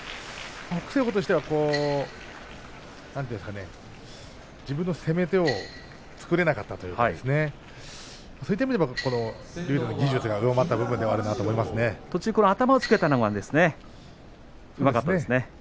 北青鵬としては自分の攻め手を作れなかったといいますかそういった意味では竜電の技術が上回ったのでは途中、頭をつけたのはうまかったですね。